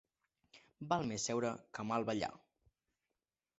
Val més seure que mal ballar.